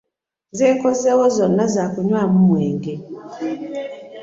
Ze nkozeewo zonna za kunywamu mwenge.